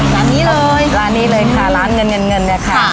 ร้านนี้เลยร้านนี้เลยค่ะร้านเงินเงินเนี่ยค่ะ